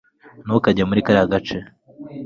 ntukajye muri kariya gace